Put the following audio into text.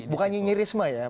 bukan nyinyirisme ya pak